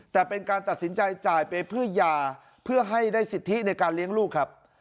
แต่เป็นการตัดสินใจจ่ายไปเพื่อยาเพื่อให้ได้สิทธิในการเลี้ยงลูกครับ